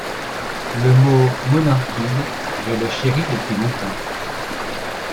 Le mot « monorchide », je le chéris depuis longtemps.